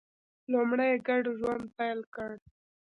لومړی یې ګډ ژوند پیل کړ.